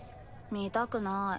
見たくない。